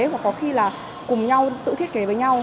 và có khi là cùng nhau tự thiết kế với nhau